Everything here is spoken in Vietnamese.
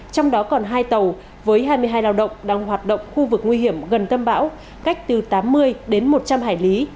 trong đó còn hai tàu với hai mươi hai lao động đang hoạt động khu vực nguy hiểm gần tâm bão cách từ tám mươi đến một trăm linh hải lý